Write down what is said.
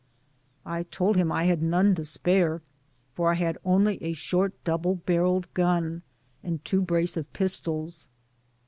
^^ I tc^ him I badnonetospareifor I hadonly ashort double barrdled gun and two braee of putcds.